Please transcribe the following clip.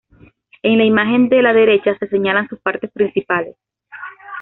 En la imagen de la derecha se señalan sus partes principales.